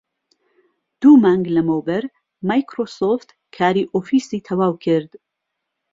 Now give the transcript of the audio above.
دوو مانگ لەمەوبەر مایکرۆسۆفت کاری ئۆفیسی تەواو کرد